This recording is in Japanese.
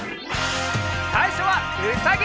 さいしょはうさぎ！